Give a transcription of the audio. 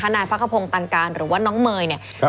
นายพักขพงศ์ตันการหรือว่าน้องเมย์เนี่ย